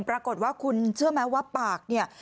ปรากฏว่าคุณเชื่อไหมว่าปากเนี่ย